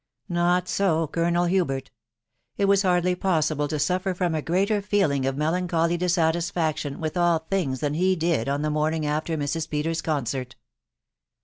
Not so Colonel Hubert : it was hardly possible to sriftr from a greater feeling of melancholy dissatisfaction with all things than he did on the morning after Mrs. Peters's concert.